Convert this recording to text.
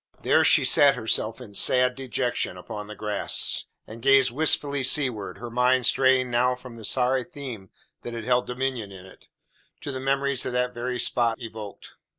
There she sate herself in sad dejection upon the grass, and gazed wistfully seaward, her mind straying now from the sorry theme that had held dominion in it, to the memories that very spot evoked.